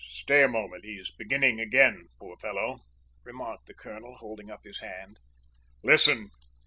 "Stay a moment; he's beginning again, poor fellow," remarked the colonel, holding up his hand. "Listen!"